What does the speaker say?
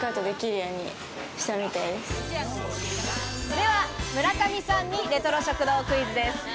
では、村上さんにレトロ食堂クイズです。